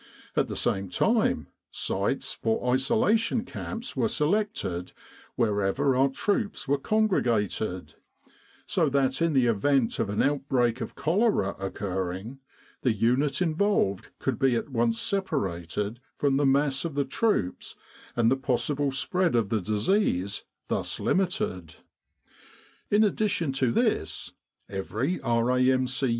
At the same time sites for isolation camps were selected wherever our troops were congregated, so that in the event of an 176 Epidemic Diseases outbreak of cholera occurring, the unit involved could be at once separated from the mass of the troops and the possible spread of the disease thus limited. In addition to this, every R.A.M.C.